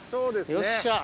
よっしゃ！